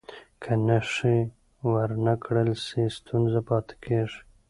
که نښې ور نه کړل سي، ستونزه پاتې کېږي.